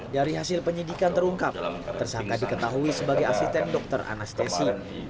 dari hasil penyidikan terungkap tersangka diketahui sebagai asisten dokter anestesi